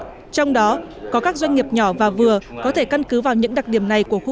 trong đó có các doanh nghiệp nhỏ và vừa có thể căn cứ vào những đặc điểm này của khu